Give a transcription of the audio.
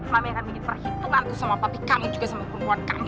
mami akan bikin perhitungan tuh sama papi kamu juga sama perempuan kamu